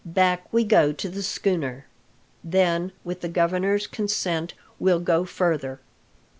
Back we go to the schooner! Then, with the governor's consent, we'll go further.